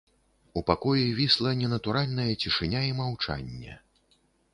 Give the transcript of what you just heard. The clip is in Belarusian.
У пакоі вісла ненатуральная цішыня і маўчанне.